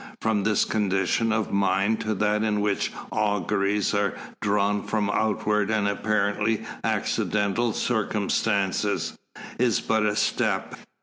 From this condition of mind to that in which auguries are drawn from outward and apparently accidental circumstances, is but a step.